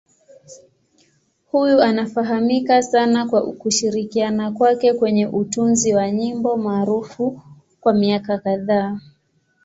Huyu anafahamika sana kwa kushirikiana kwake kwenye utunzi wa nyimbo maarufu kwa miaka kadhaa.